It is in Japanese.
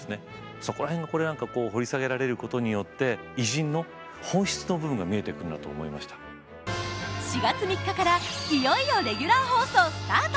そこら辺を掘り下げられることによって４月３日からいよいよレギュラー放送スタート！